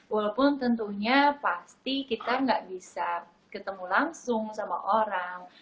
walaupun tentunya pasti kita nggak bisa ketemu langsung sama orang